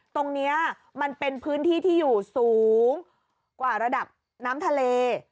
ตรงนี้มันเป็นพื้นที่ที่อยู่สูงกว่าระดับน้ำทะเล